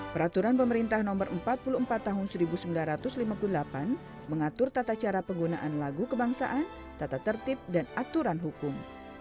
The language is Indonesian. peraturan pemerintah no empat puluh empat tahun seribu sembilan ratus lima puluh delapan mengatur tata cara penggunaan lagu kebangsaan tata tertib dan aturan hukum